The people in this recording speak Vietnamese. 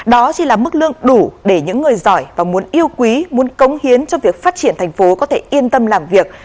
đó chỉ là mức lương đủ để những người giỏi và muốn yêu quý muốn cống hiến cho việc phát triển thành phố có thể yên tâm làm việc